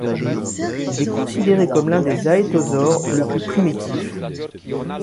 Il est considéré comme l'un des aétosaures les plus primitifs.